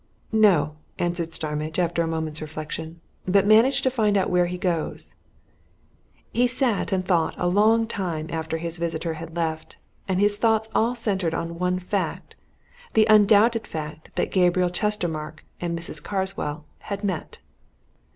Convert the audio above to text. "No," answered Starmidge after a moment's reflection, "but manage to find out where he goes." He sat and thought a long time after his visitor had left, and his thoughts all centred on one fact: the undoubted fact that Gabriel Chestermarke and Mrs. Carswell had met.